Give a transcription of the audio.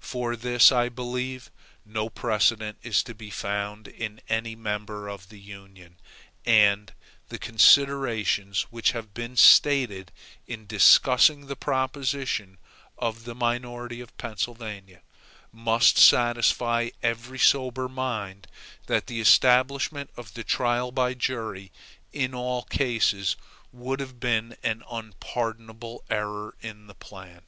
For this I believe, no precedent is to be found in any member of the Union; and the considerations which have been stated in discussing the proposition of the minority of Pennsylvania, must satisfy every sober mind that the establishment of the trial by jury in all cases would have been an unpardonable error in the plan.